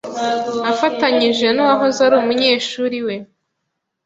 afatanyije n’uwahoze ari umunyeshuri we.